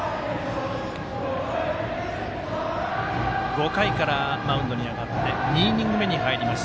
５回からマウンドに上がって２イニング目に入ります